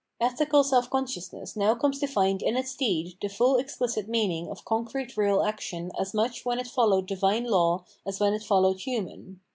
Ethical self consciousness now comes to find in its deed the full exphcit meaning of concrete real action as much when it followed divine law as when it followed human.